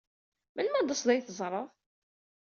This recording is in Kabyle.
Melmi ad taseḍ ad iyi-teẓṛeḍ?